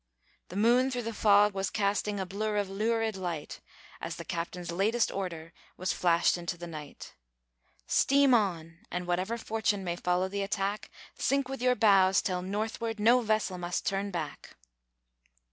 The moon through the fog was casting A blur of lurid light, As the captain's latest order Was flashed into the night. "Steam on! and whatever fortune May follow the attack, Sink with your bows still northward No vessel must turn back!"